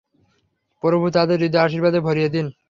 প্রভু তাদের হৃদয় আশীর্বাদে ভরিয়ে দিন।